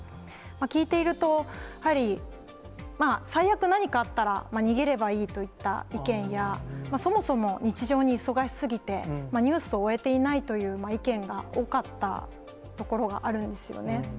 聞いていると、やはり、最悪何かあったら、逃げればいいといった意見や、そもそも日常に忙し過ぎて、ニュースを追えていないという意見が多かったところがあるんですよね。